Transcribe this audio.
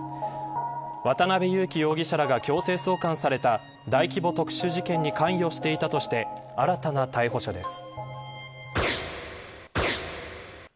渡辺優樹容疑者らが強制送還された大規模特殊事件に関与していたとして新たな逮捕者です。